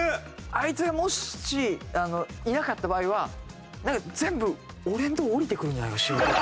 あいつがもしいなかった場合はなんか全部俺のとこ降りてくるんじゃないかな仕事。